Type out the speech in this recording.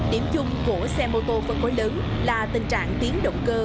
điểm chung của xe mô tô phân khối lớn là tình trạng tiếng động cơ